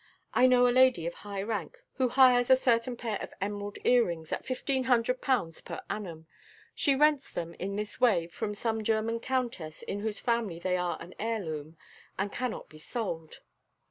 I know a lady of high rank, who hires a certain pair of emerald earrings at fifteen hundred pounds per annum. She rents them in this way from some German countess in whose family they are an heir loom, and cannot be sold."